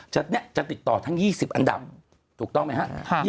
จะติดต่อทั้ง๒๐อันดับถูกต้องไหมครับ